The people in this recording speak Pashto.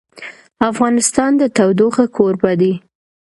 افغانستان د تودوخه کوربه دی.